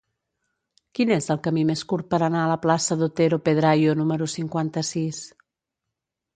Quin és el camí més curt per anar a la plaça d'Otero Pedrayo número cinquanta-sis?